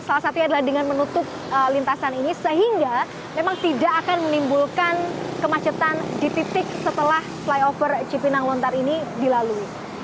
salah satunya adalah dengan menutup lintasan ini sehingga memang tidak akan menimbulkan kemacetan di titik setelah flyover cipinang lontar ini dilalui